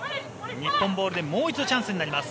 日本ボールでもう一度チャンスになります。